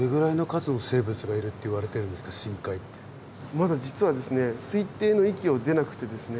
まだ実は推定の域を出なくてですね